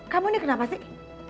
kamu ini kenapa sih